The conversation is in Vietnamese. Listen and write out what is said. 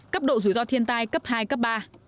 cấp độ rủi ro thiên tai cấp hai cấp ba